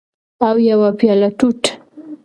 او یوه پیاله توت